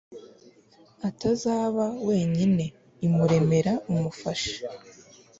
atazaba wenyine, imuremera umufasha